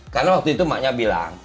karena waktu itu maknya bilang